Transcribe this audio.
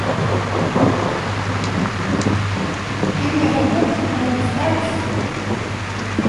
Ты мне гаворыш пра маю старасць.